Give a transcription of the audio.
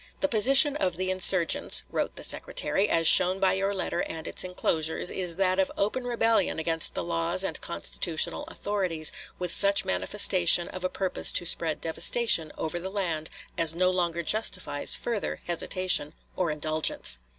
"The position of the insurgents," wrote the Secretary, "as shown by your letter and its inclosures, is that of open rebellion against the laws and constitutional authorities, with such manifestation of a purpose to spread devastation over the land as no longer justifies further hesitation or indulgence.